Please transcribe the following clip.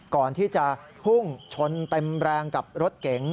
ก่อนที่จะพุ่งชนเต็มแรงกับรถเก๋ง